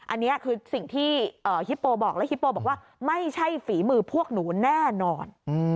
อันนี้คือสิ่งที่ฮิปโปบอกและฮิปโปบอกว่าไม่ใช่ฝีมือพวกหนูแน่นอน